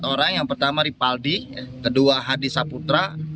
empat orang yang pertama ripaldi kedua hadi saputra